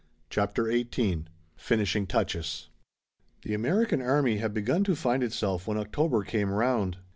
CHAPTER XVIII FINISHING TOUCHES The American army had begun to find itself when October came round.